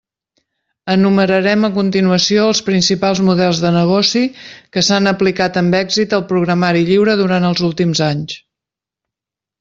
Enumerarem a continuació els principals models de negoci que s'han aplicat amb èxit al programari lliure durant els últims anys.